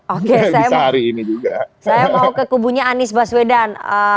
oke saya mau ke kubunya anies baswedan